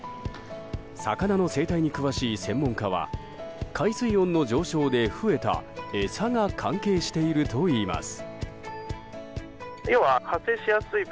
魚の生態に詳しい専門家は海水温の上昇で増えた餌が関係しているといいます。